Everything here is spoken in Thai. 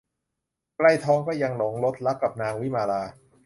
ไกรทองก็ยังหลงรสรักกับนางวิมาลา